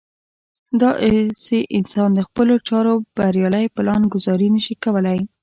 داسې انسان د خپلو چارو بريالۍ پلان ګذاري نه شي کولی.